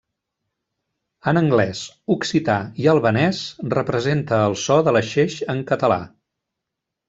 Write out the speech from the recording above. En anglès, occità i albanès, representa el so de la xeix en català.